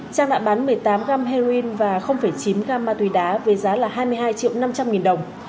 trang đã bán một mươi tám gram heroin và chín gam ma túy đá với giá là hai mươi hai triệu năm trăm linh nghìn đồng